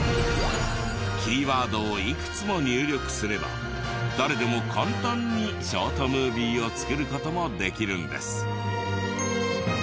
キーワードをいくつも入力すれば誰でも簡単にショートムービーを作る事もできるんです。